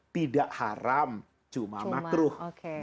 tidak haram cuma makruh